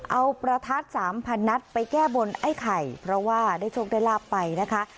เอาประทัด๓๐๐นัดไปแก้บนไอ้ไข่เพราะว่าได้โชคได้ลาบไปนะคะ